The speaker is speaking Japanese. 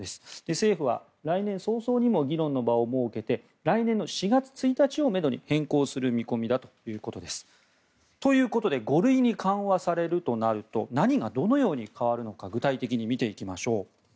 政府は来年早々にも議論の場を設けて来年の４月１日をめどに変更する見込みだということです。ということで５類に緩和されるとなると何がどのように変わるのか具体的に見ていきましょう。